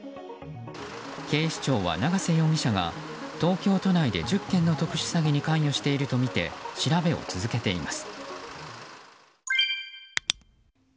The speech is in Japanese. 警視庁は長瀬容疑者が東京都内で１０件の特殊詐欺に関与しているとみて調べを続けています。